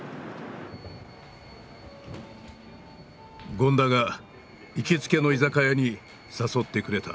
権田が行きつけの居酒屋に誘ってくれた。